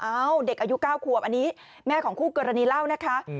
เด็กอายุ๙ขวบอันนี้แม่ของคู่กรณีเล่านะคะ